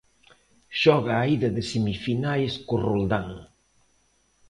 Xoga a ida de semifinais co Roldán.